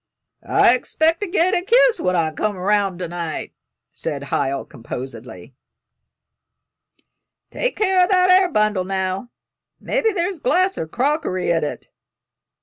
"I 'xpect to get a kiss when I come 'round to night," said Hiel, composedly. "Take care o' that air bundle, now; mebbe there's glass or crockery in't."